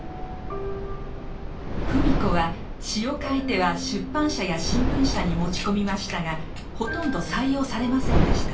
芙美子は詩を書いては出版社や新聞社に持ち込みましたがほとんど採用されませんでした。